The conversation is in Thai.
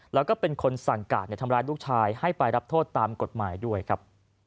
แล้วก็เป็นคนสั่งการทำร้ายลูกชายให้ไปรับโทษตามกฎหมายด้วยครับ